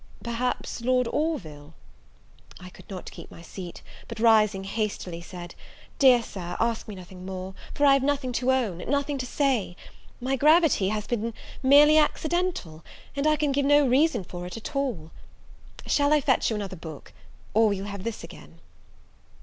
perhaps Lord Orville " I could not keep my seat; but, rising hastily, said, "Dear Sir, ask me nothing more! for I have nothing to own, nothing to say; my gravity has been merely accidental, and I can give no reason for it at all. Shall I fetch you another book? or will you have this again?"